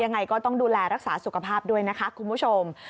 ยังไงก็ต้องดูแลรักษาสุขภาพด้วยนะคะคุณผู้ชม